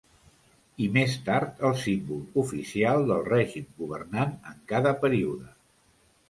I més tard, el símbol oficial del règim governant en cada període.